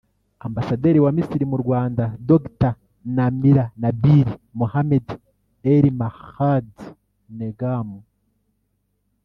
Ambasaderi wa Misiri mu Rwanda Dr Namira Nabil Mohamed Elmahdy Negm